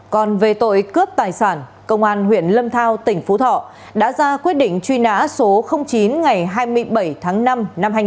còn về tội cướp tài sản công an huyện lâm thao tỉnh phú thọ đã ra quyết định truy nã số chín ngày hai mươi bảy tháng năm năm hai nghìn một mươi ba